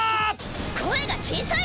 声が小さい！